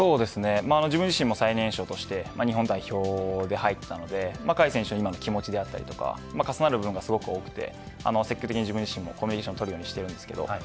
自分自身も最年少として日本代表で入ったので甲斐選手に気持ちだったりとか重なる部分が多くて自分自身もコミュニケーションをとるようにしています。